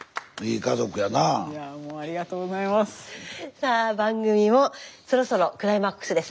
さあ番組もそろそろクライマックスです。